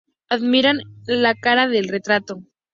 Admiran la cara del retrato.